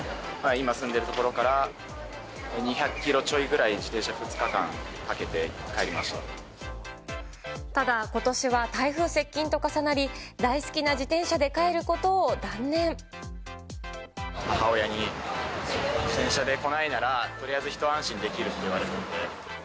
今住んでいる所から２００キロちょいぐらい、自転車２日間かけてただ、ことしは台風接近と重なり、母親に、自転車で来ないなら、とりあえず一安心できるって言われてて。